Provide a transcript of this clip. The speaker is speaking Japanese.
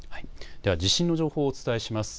では地震の情報をお伝えします。